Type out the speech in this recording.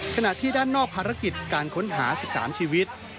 ขณะที่ด้านนอกภารกิจการค้นหา๑๓ชีวิต